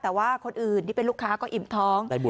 แต่ว่าคนอื่นที่เป็นลูกค้าก็อิ่มท้อง